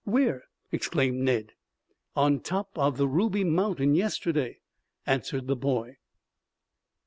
Where?" exclaimed Ned. "On top of the Ruby Mountain yesterday," answered the boy.